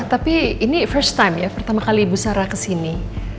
tapi ini first time ya pertama kali ibu sarah ke sini